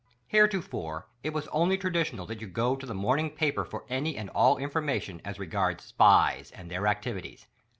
Heretofore it was only traditional that you go to the morning paper for anv and all information as regards SPIES and their activities.